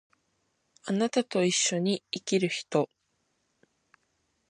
貴方と一緒に生きる人